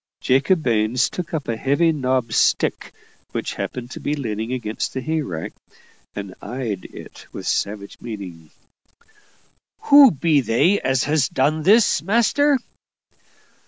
Jacob Baines took up a heavy knobbed stick which happened to be leaning against the hay rick, and eyed it with savage meaning. "Who be they as has done this, master?"